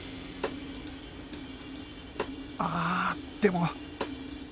ああでも